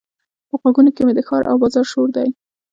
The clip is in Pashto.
په غوږونو کې مې د ښار او بازار شور دی.